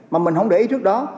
mà mình không để ý trước đó